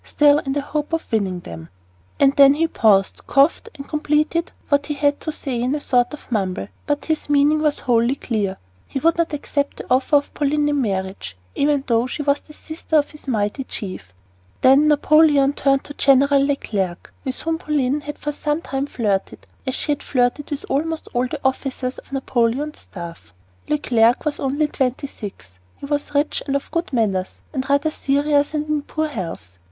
Still, in the hope of winning them " And then he paused, coughed, and completed what he had to say in a sort of mumble, but his meaning was wholly clear. He would not accept the offer of Pauline in marriage, even though she was the sister of his mighty chief. Then Napoleon turned to General Leclerc, with whom Pauline had for some time flirted, as she had flirted with almost all the officers of Napoleon's staff. Leclerc was only twenty six. He was rich and of good manners, but rather serious and in poor health.